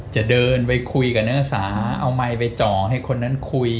จะเดินไปคุยกับนักศึกษาเอาไมค์ไปจ่อให้คนนั้นคุย